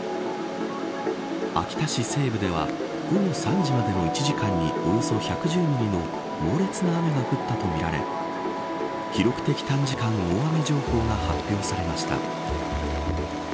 秋田市西部では午後３時までの１時間におよそ１１０ミリの猛烈な雨が降ったとみられ記録的短時間大雨情報が発表されました。